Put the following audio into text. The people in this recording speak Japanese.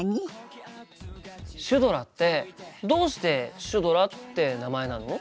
シュドラってどうしてシュドラって名前なの？